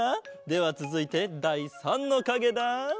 ではつづいてだい３のかげだ。